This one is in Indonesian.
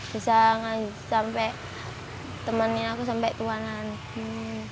bisa sampai temannya aku sampai tua nanti